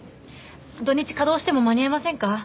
土日稼働しても間に合いませんか？